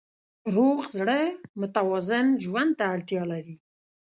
روغ زړه متوازن ژوند ته اړتیا لري.